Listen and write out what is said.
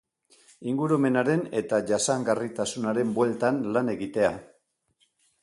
Ingurumenaren eta jasangarritasunaren bueltan lan egitea.